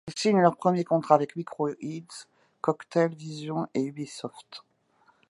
Ils signent leur premiers contrats avec Microïds, Coktel Vision et Ubisoft.